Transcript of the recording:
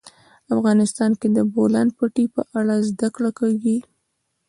افغانستان کې د د بولان پټي په اړه زده کړه کېږي.